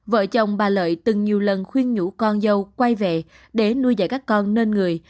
vợ chồng bà lợi từng nhiều lần khuyên nhũ con dâu quay về để nuôi dạy các con nên người